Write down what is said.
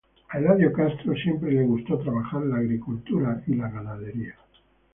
A Eladio Castro siempre le gustó trabajar la agricultura y la ganadería.